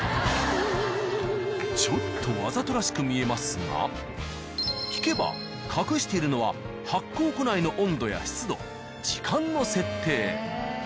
ちょっとわざとらしく見えますが聞けば隠しているのは発酵庫内の温度や湿度時間の設定。